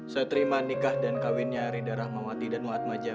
saya terima nikah dan kawinnya rida rahmawati danuatmaja